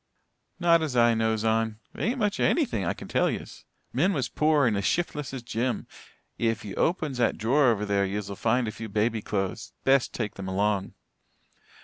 "Not as I knows on. There ain't much here of anything, I kin tell yez. Min was pore and as shiftless as Jim. Ef ye opens that drawer over there yez'll find a few baby clo'es. Best take them along."